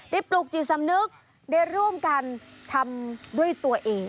ปลุกจิตสำนึกได้ร่วมกันทำด้วยตัวเอง